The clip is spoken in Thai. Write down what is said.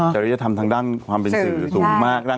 จะรอดจะทำทั้งด้านความเป็นสื่อหรือตรงมาก